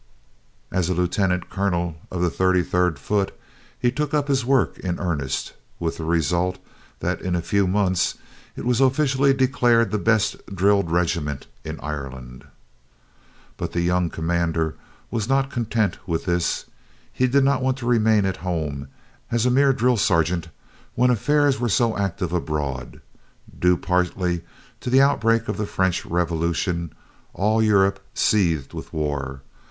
As lieutenant colonel of the Thirty Third Foot, he took up his work in earnest, with the result that in a few months it was officially declared to be the best drilled regiment in Ireland. But the young commander was not content with this. He did not want to remain at home as a mere "drill sergeant" when affairs were so active abroad. Due partly to the outbreak of the French Revolution, all Europe seethed with war.